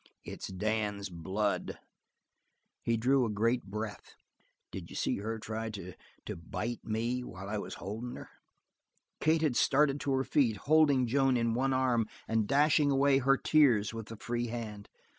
"It's Dan's blood." He drew a great breath. "Did you see her try to to bite me while I was holdin' her?" Kate had started to her feet, holding Joan in one arm and dashing away her tears with the free hand.